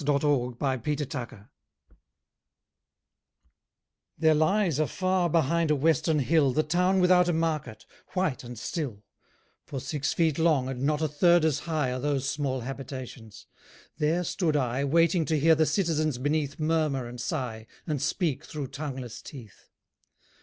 THE TOWN WITHOUT A MARKET There lies afar behind a western hill The Town without a Market, white and still; For six feet long and not a third as high Are those small habitations. There stood I, Waiting to hear the citizens beneath Murmur and sigh and speak through tongueless teeth.